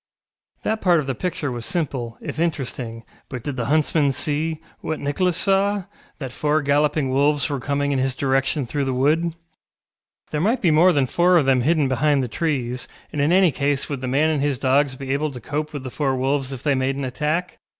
That part of the picture was simple, if interesting, but did the huntsman see, what Nicholas saw, that four galloping wolves were coming in his direction through the wood? There might be more than four of them hidden behind the trees, and in any case would the man and his dogs be able to cope with the four wolves if they made an attack?